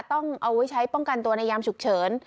ต้องเอาไว้ใช้ป้องกันตัวในยามฉุกเฉิน